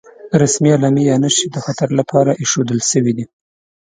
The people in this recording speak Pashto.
رسمي علامې یا نښې د خطر لپاره ايښودل شوې دي.